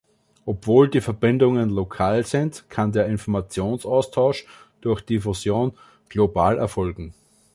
Obwohl die Verbindungen lokal sind, kann der Informationsaustausch durch Diffusion global erfolgen.